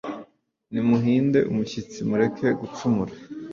nimuhinde umushyitsi, mureke gucumura